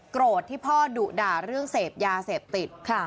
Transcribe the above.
โกรธที่พ่อดุด่าเรื่องเสพยาเสพติด